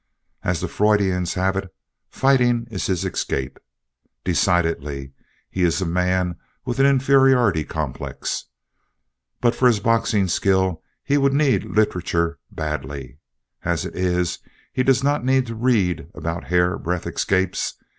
As the Freudians have it, fighting is his "escape." Decidedly, he is a man with an inferiority complex. But for his boxing skill he would need literature badly. As it is, he does not need to read about hair breadth escapes.